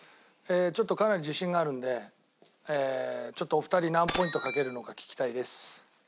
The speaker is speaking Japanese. ちょっとかなり自信があるのでちょっとお二人何ポイントかけるのか聞きたいです。